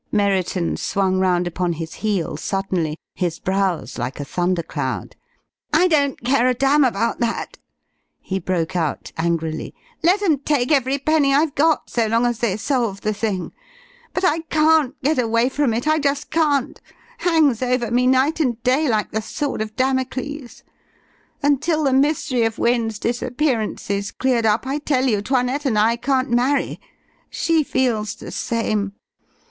Merriton swung round upon his heel suddenly, his brows like a thunder cloud. "I don't care a damn about that," he broke out angrily. "Let 'em take every penny I've got, so long as they solve the thing! But I can't get away from it I just can't. Hangs over me night and day like the sword of Damocles! Until the mystery of Wynne's disappearance is cleared up, I tell you 'Toinette and I can't marry. She feels the same.